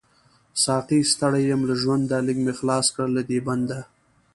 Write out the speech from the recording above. ساقۍ ستړی يم له ژونده، ليږ می خلاص کړه له دی بنده